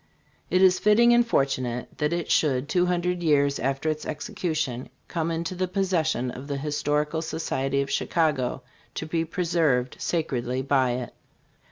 It is fitting and fortunate that it should, two hundred years after its execution, come into the possession of the Historical Society of Chicago to be preserved sa credly by it."